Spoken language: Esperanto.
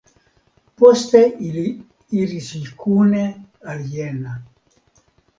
Poste ili iris kune al Jena.